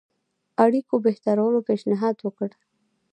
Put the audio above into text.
اړيکو بهترولو پېشنهاد وکړي.